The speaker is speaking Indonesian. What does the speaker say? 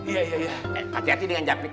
iya pane harus hati hati dengan capek